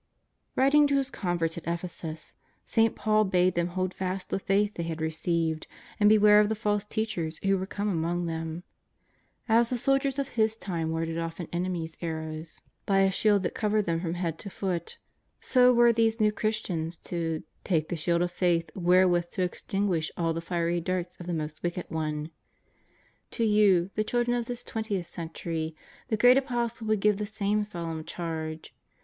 " Writing to his converts at Ephesus, St. Paul bade them hold fast the faith they had received, and beware of the false teachers who were come among them. As the soldiers of his time warded off an enemy's arrows ♦ Luke 24. t Mark 16. 400 JESTTS OF NAZARETH. by a shield that covered them from head to foot, so were these new Christians to " take the shield of faith wherewith to extinguish all the fiery darts of the most wicked one." * To you, the children of this twentieth century, the great Apostle would give the same solemn charge.